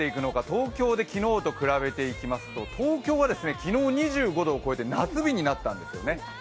東京で昨日と比べてみますと東京は、昨日２５度を超えて夏日になったんですね。